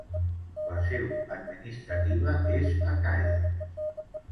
La seu administrativa és a Càller.